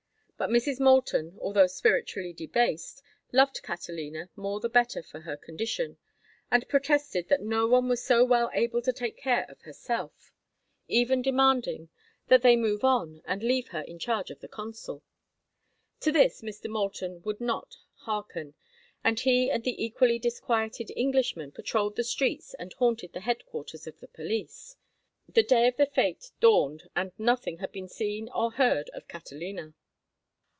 But Mrs. Moulton, although spiritually debased, loved Catalina none the better for her condition, and protested that no one was so well able to take care of herself, even demanding that they move on and leave her in charge of the consul. To this Mr. Moulton would not hearken, and he and the equally disquieted Englishman patrolled the streets and haunted the headquarters of the police. The day of the fête dawned and nothing had been seen or heard of Catalina.